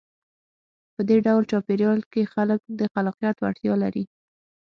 په دې ډول چاپېریال کې خلک د خلاقیت وړتیا لري.